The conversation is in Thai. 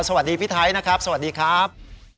สวัสดีพี่ไทยนะครับสวัสดีครับ